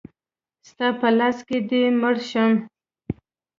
ستا په لاس دی مړ شم.